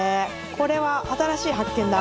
これは新しい発見だ。